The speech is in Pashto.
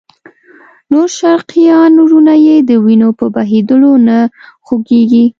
نور شرقیان وروڼه یې د وینو په بهېدلو نه خوږېږي.